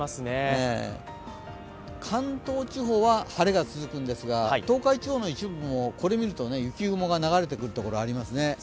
関東地方は晴れが続くんですが、東海地方の一部もこれを見ると雪雲が流れてくる所がありますね。